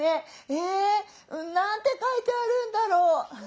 え何て書いてあるんだろう？」。